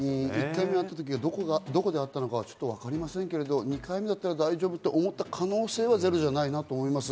１回目がどこだったのかはわかりませんけど、２回目だったら大丈夫と思った可能性はゼロじゃないなと思います。